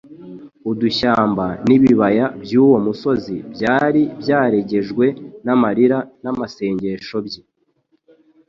Udushyamba n'ibibaya by'uwo musozi byari byarejejwe n'amarira n'amasengesho bye.